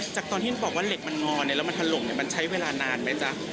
จากตอนที่บอกว่าเหล็กมันงอแล้วมันถล่มมันใช้เวลานานไหมจ๊ะ